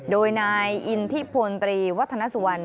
โดยนายอินทิพลตรีวัฒนสุวรรณ